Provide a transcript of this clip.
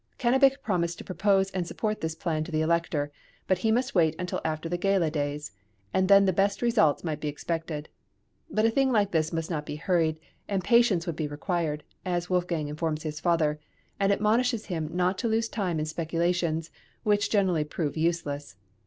Cannabich promised to propose and support this plan to the Elector, but he must wait until after the gala days, and then the best results might be expected. But a thing like this must not be hurried, and patience would be required, as Wolfgang informs his father, and admonishes him not to lose time in speculations, which generally prove useless.